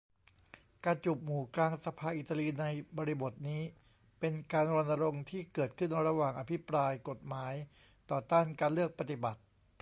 การจูบหมู่กลางสภาอิตาลีในบริบทนี้ เป็นการรณรงค์ที่เกิดขึ้นระหว่างอภิปรายกฎหมายต่อต้านการเลือกปฏิบัติ